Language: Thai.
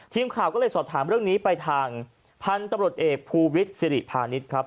ทีมข่าวก็เลยสอบถามเรื่องนี้ไปทางพันธุ์ตำรวจเอกภูวิทย์สิริพาณิชย์ครับ